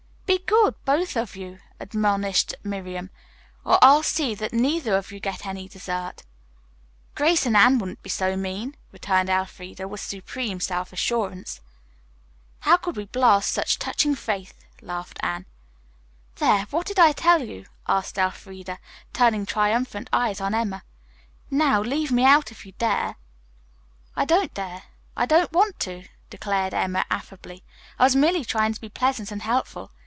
"Be good, both of you," admonished Miriam, "or I'll see that neither of you get any dessert." "Grace and Anne wouldn't be so mean," returned Elfreda with supreme self assurance. "How could we blast such touching faith?" laughed Anne. "There, what did I tell you?" asked Elfreda, turning triumphant eyes on Emma. "Now, leave me out if you dare." "I don't dare. I don't want to," declared Emma affably. "I was merely trying to be pleasant and helpful.